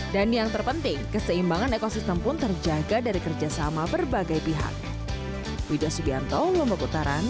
dan yang terpenting keseimbangan ekosistem pun terjaga dari kerjasama berbagai pihak